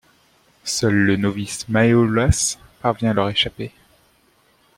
Seul le novice Maheolas parvient à leur échapper.